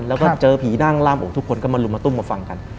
แล้วก็เจอผีนั่งล่ามโอ้ทุกคนก็มาลุมมาตุ้มมาฟังกัน